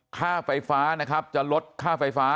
ค่าไฟฟ้านะครับจะลดค่าไฟฟ้า